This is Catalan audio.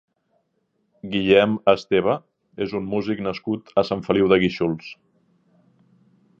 Guillem Esteva és un músic nascut a Sant Feliu de Guíxols.